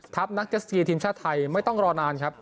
นักเจสกีทีมชาติไทยไม่ต้องรอนานครับ